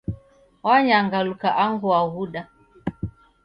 Wanyangaluka angu waghuda.